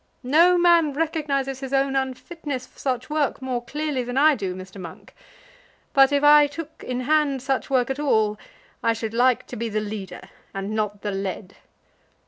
No man recognises his own unfitness for such work more clearly than I do, Mr. Monk. But if I took in hand such work at all, I should like to be the leader, and not the led.